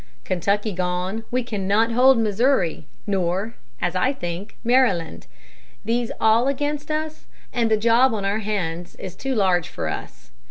Kentucky gone, we cannot hold Missouri, nor, as I think, Maryland. These all against us, and the job on our hands is too large for us.